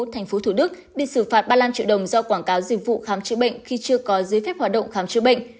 tp thủ đức bị xử phạt ba mươi năm triệu đồng do quảng cáo dịch vụ khám chữa bệnh khi chưa có giấy phép hoạt động khám chữa bệnh